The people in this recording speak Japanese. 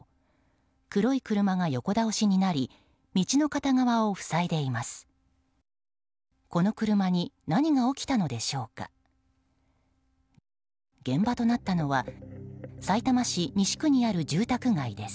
黒い車が横倒しになり道の片側を塞いでいます。